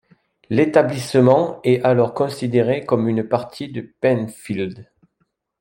L'établissement est alors considéré comme une partie de Pennfield.